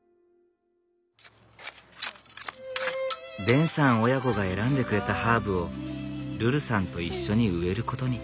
デンさん親子が選んでくれたハーブをルルさんと一緒に植えることに。